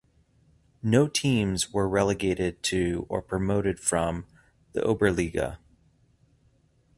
No teams were relegated to or promoted from the Oberliga.